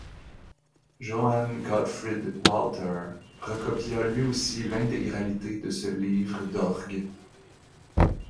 Johann Gottfried Walther recopia lui aussi l'intégralité de ce livre d'orgue.